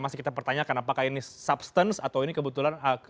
masih kita pertanyakan apakah ini substance atau ini kebetulan